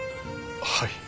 はい。